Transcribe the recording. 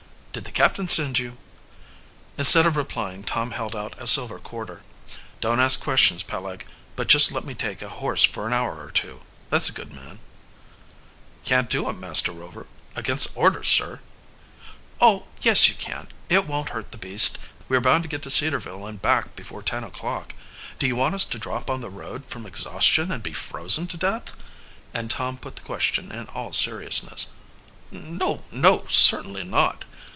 Did the captain send you?" Instead of replying Tom held out a silver quarter. "Don't ask questions, Peleg, but just let me take a horse for an hour or two, that's a good man." "Can't do it, Master Rover against orders, sir." "Oh, yes, you can. We won't hurt the beast. We are bound to get to Cedarville and back before ten o'clock. Do you want us to drop on the road from exhaustion and be frozen to death?" and Tom put the question in all seriousness. "No, no, certainly not!"